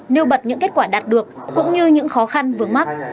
nêu bật những kết quả đạt được cũng như những khó khăn vướng mắt